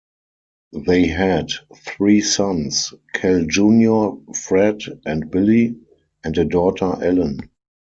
They had three sons, Cal Junior Fred, and Billy; and a daughter, Ellen.